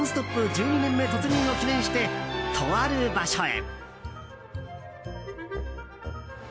１２年目突入を記念してとある場所へ。